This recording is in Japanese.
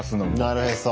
なるへそ！